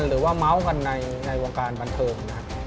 หรือว่าเมาส์กันในวงการบันเทิมนะครับ